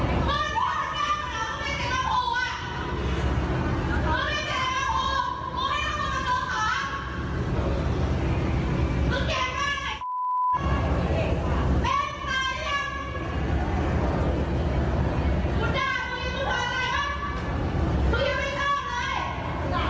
พนักงานในร้าน